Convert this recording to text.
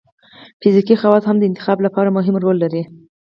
فزیکي خواص هم د انتخاب لپاره مهم رول لري.